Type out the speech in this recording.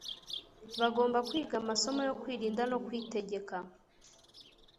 bagomba kwiga amasomo yo kwirinda no kwitegeka.